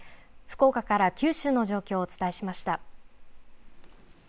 福岡から九州の状況をお伝えしました。